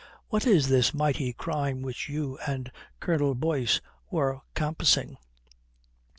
What is this mighty crime which you and Colonel Boyce were compassing?"